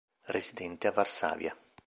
Residente a Varsavia.